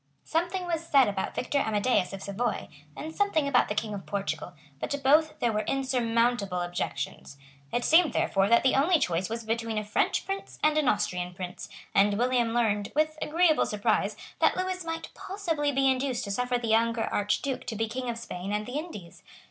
Something was said about Victor Amadeus of Savoy, and something about the King of Portugal; but to both there were insurmountable objections. It seemed, therefore, that the only choice was between a French Prince and an Austrian Prince; and William learned, with agreeable surprise, that Lewis might possibly be induced to suffer the younger Archduke to be King of Spain and the Indies.